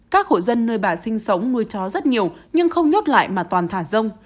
các hộ dân nơi bà sinh sống nuôi chó rất nhiều nhưng không nhốt lại mà toàn thả rông